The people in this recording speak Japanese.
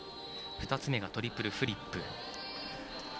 ２つ目がトリプルフリップ。